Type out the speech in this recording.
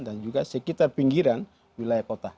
dan juga sekitar pinggiran wilayah kota jayapura